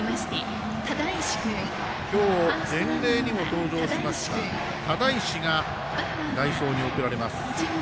今日、伝令にも登場しました只石が代走に送られます。